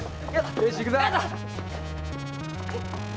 よし行くぞ！